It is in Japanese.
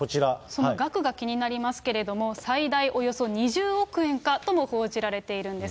その額が気になりますけれども、最大およそ２０億円かとも報じられているんです。